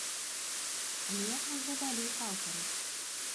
Але як выглядалі іх аўтары?